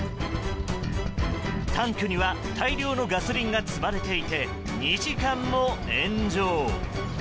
タンクには大量のガソリンが積まれていて２時間も炎上。